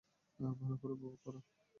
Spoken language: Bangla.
ভালো করে উপভোগ কর।